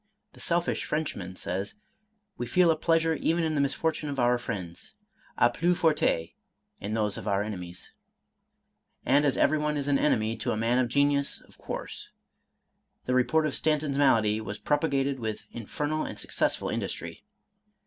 The selfish Frenchman ^ says, we feel a pleasure even in the misfor tunes of our friends, — d plus forte in those of our enemies ; and as everyone is an enemy to a man of genius of course, the report of Stanton's malady was propagated with infer nal and successful industry.